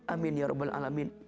amin ya robbal alamin